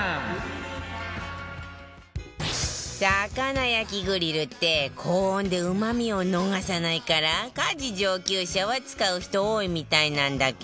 魚焼きグリルって高温でうまみを逃さないから家事上級者は使う人多いみたいなんだけど